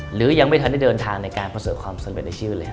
หรือยังไม่ทันได้เดินทางในการประสบความสำเร็จในชื่อเลย